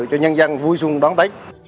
cho nhân dân vui xuân đón tích